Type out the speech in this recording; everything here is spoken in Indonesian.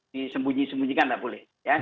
disembunyi sembunyikan tidak boleh